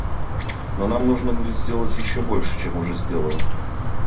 Но нам нужно будет сделать еще больше, чем уже сделано.